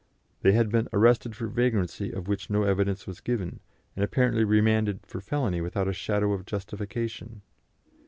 They had been arrested for vagrancy of which no evidence was given, and apparently remanded for felony without a shadow of justification.